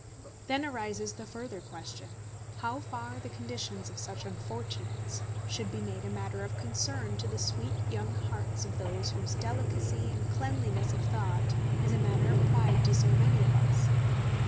Then arises the further question, how far the conditions of such unfortunates should be made a matter of concern to the sweet young hearts of those whose delicacy and cleanliness of thought is a matter of pride to so many of us.